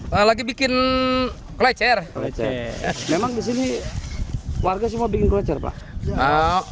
warga semua bikin kolecer pak